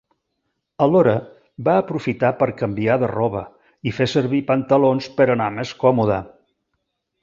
Alhora, va aprofitar per canviar de roba i fer servir pantalons per anar més còmoda.